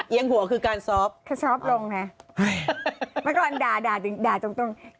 เอียงหัวคือการซอฟต์คือซอฟต์ลงนะมาก่อนด่าจริงด่าตรง